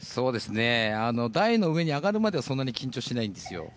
台の上に上がるまではそんなに緊張しないんですよ。